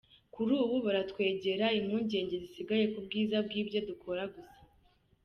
Kuri ubu baratwegera, impungenge zisigaye ku bwiza bw’ibyo dukora gusa.